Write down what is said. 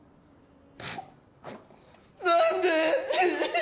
何で。